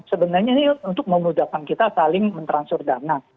sebenarnya ini untuk memudahkan kita saling mentransfer dana